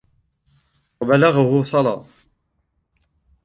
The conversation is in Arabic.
وَبَلَغَهُ صَلَّى